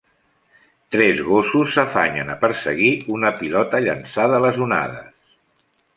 Tres gossos s'afanyen a perseguir una pilota llançada a les onades.